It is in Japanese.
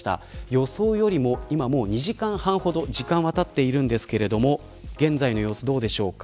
予想よりも今、２時間半ほど時間はたっているんですが現在の様子はどうでしょうか。